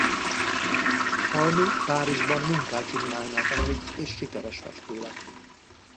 Halmi Párizsban Munkácsy Mihálynál tanult és sikeres festő lett.